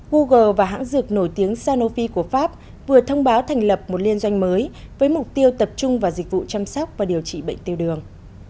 google và hãng dược nổi tiếng sanophi của pháp vừa thông báo thành lập một liên doanh mới với mục tiêu tập trung vào dịch vụ chăm sóc và điều trị bệnh tiêu đường